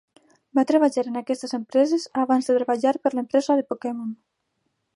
Va treballar en aquestes empreses abans de treballar per l'empresa de Pokémon.